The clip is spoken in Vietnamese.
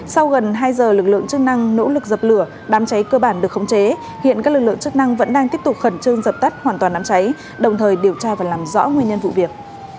sau gần hai giờ lực lượng chức năng nỗ lực dập lửa đám cháy cơ bản được khống chế hiện các lực lượng chức năng vẫn đang tiếp tục khẩn trương dập tắt hoàn toàn đám cháy đồng thời điều tra và làm rõ nguyên nhân vụ việc